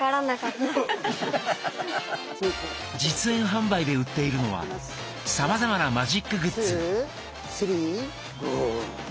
実演販売で売っているのはさまざまなマジックグッズ。